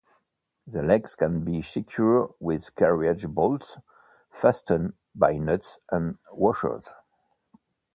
The legs can be secured with carriage bolts fastened by nuts and washers.